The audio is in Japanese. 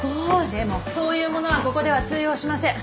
でもそういうものはここでは通用しません。